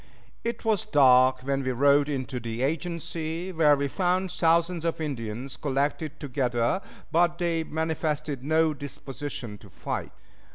It was dark when we rode into the agency, where we found thousands of Indians collected together; but they manifested no disposition to fight.